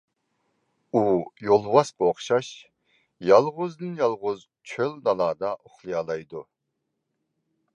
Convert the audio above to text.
ئۇ يولۋاسقا ئوخشاش يالغۇزدىن-يالغۇز چۆل-دالادا ئۇخلىيالايدۇ.